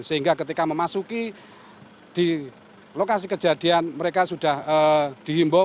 sehingga ketika memasuki di lokasi kejadian mereka sudah dihimbau